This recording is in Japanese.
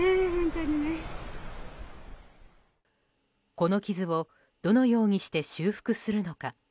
この傷をどのようにして修復するのか。